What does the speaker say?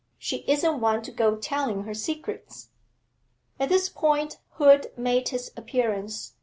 'She isn't one to go telling her secrets.' At this point Hood made his appearance.